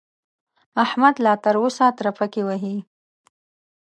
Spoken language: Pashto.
احمد لا تر اوسه ترپکې وهي.